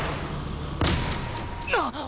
なっ！？